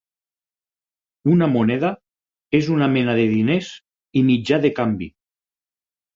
Una moneda és una mena de diners i mitjà de canvi.